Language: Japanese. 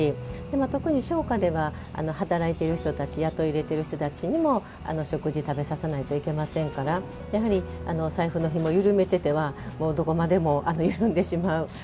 特に商家では、働いている人たち雇い入れてる人たちにも食事を食べさせないといけませんから財布のひもを緩めていてはどこまでも緩んでしまう。